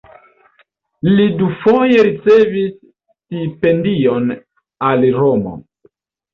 Li dufoje ricevis stipendion al Romo.